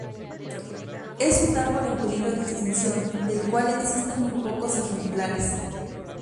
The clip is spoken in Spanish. Es un árbol en peligro de extinción, del cual existen muy pocos ejemplares.